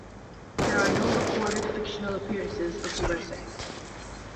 There are no recorded fictional appearances of the Wessex.